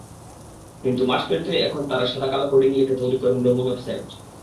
কিন্তু মাস পেরোতেই এখন তাঁরা সাদাকালো কোডিং লিখে তৈরি করেন রঙিন ওয়েবসাইট।